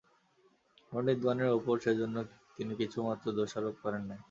পণ্ডিতগণের উপর সেজন্য তিনি কিছুমাত্র দোষারোপ করেন নাই।